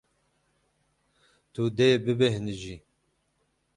Tu dê bibêhnijî.